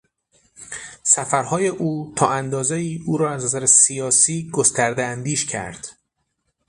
سفرهای او تا اندازهای او را از نظر سیاسی گسترده اندیش کرد.